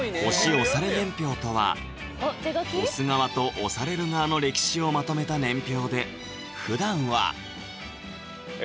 推され年表とは推す側と推される側の歴史をまとめた年表でふだんはえ